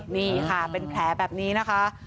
นี่ค่ะเป็นแผลแบบนี้นะคะ